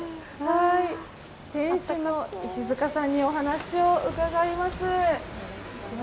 店主の石塚さんにお話を伺います。